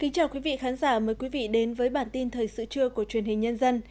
chào mừng quý vị đến với bản tin thời sự trưa của truyền hình nhân dân